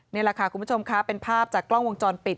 นี่แหละค่ะคุณผู้ชมค่ะเป็นภาพจากกล้องวงจรปิด